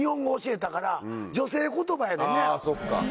あそっか。